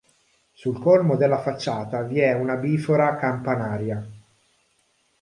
Sul colmo della facciata vi è una bifora campanaria.